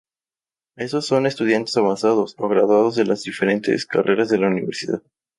Estos son estudiantes avanzados o graduados de las diferentes carreras de la universidad.